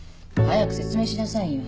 早くしなさいよ。